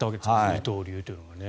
二刀流というのがね。